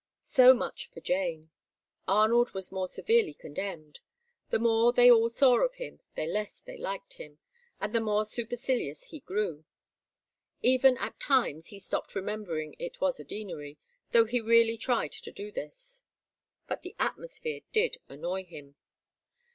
So much for Jane. Arnold was more severely condemned. The more they all saw of him, the less they liked him, and the more supercilious he grew. Even at times he stopped remembering it was a Deanery, though he really tried to do this. But the atmosphere did annoy him.